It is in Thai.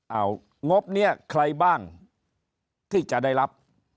เอางบนี้ใครบ้างที่จะได้รับ